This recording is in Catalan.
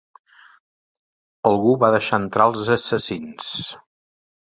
Algú va deixar entrar els assassins.